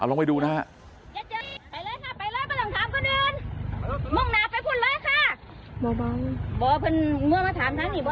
เอาลงไปดูนะฮะ